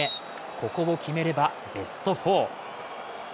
ここを決めればベスト４。